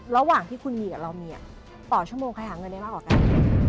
ระหว่างที่คุณมีกับเรามีต่อชั่วโมงใครหาเงินได้มากกว่ากัน